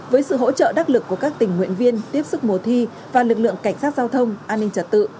với sự hỗ trợ đắc lực của các tỉnh nguyện viên tiếp xúc mùa thi và lực lượng cảnh sát giao thông an ninh trả tự